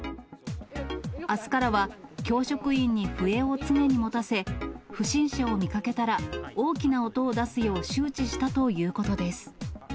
あすからは、教職員に笛を常に持たせ、不審者を見かけたら、大きな音を出すよう、周知したということです。